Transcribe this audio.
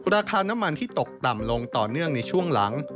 ราคาน้ำมันที่ตกต่ำลงต่อเนื่องในช่วงหลัง